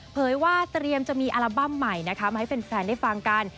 เยว่าเตรียมจะมีอัลบั้มใหม่นะคะมาให้แฟนได้ฟังกัน